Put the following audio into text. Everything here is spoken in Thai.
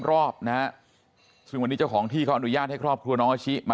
รอบนะฮะซึ่งวันนี้เจ้าของที่เขาอนุญาตให้ครอบครัวน้องอาชิมา